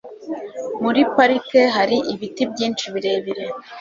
Muri parike hari ibiti byinshi birebire.